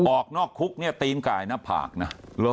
ออกนอกคุกเนี่ยตีนไก่หน้าผากนะ